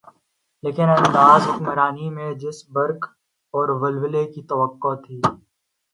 لیکن انداز حکمرانی میں جس برق اورولولے کی توقع تھی۔